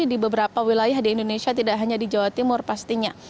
di beberapa wilayah di indonesia tidak hanya di jawa timur pastinya